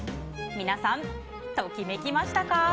皆さん、ときめきましたか？